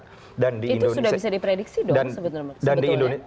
itu sudah bisa diprediksi dong sebetulnya